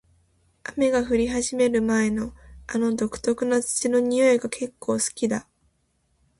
雨が降り始める前の、あの独特な土の匂いが結構好きだ。